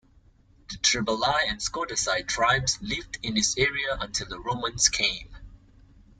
The Triballi and Scordisci tribes lived in this area until the Romans came.